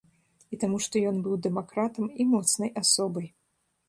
І таму што ён быў дэмакратам і моцнай асобай.